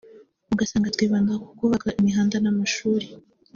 ugasanga twibanda ku kubaka imihanda n’amashuri